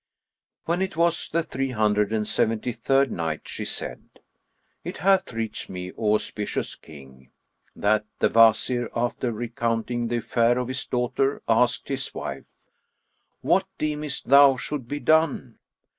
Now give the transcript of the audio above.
When it was the Three Hundred and Seventy third Night, She said, It hath reached me, O auspicious King, that the Wazir, after recounting the affair of his daughter, asked his wife, "What deemest thou should be done?"